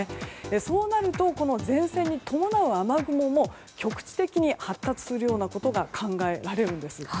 そうなると、前線に伴う雨雲も局地的に発達するようなことが考えられるんです。